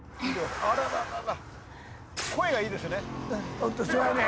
声がいいですよね